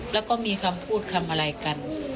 แล้วก็มีคำพูดคำอะไรกัน